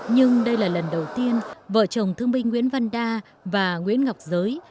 nhưng đây là lần đầu tiên vợ chồng thương binh nguyễn văn đa và nguyễn ngọc giới